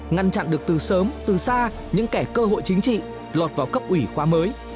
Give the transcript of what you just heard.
ngăn chặn được từ sớm từ xa những kẻ cơ hội chính trị lọt vào cấp ủy khoa mới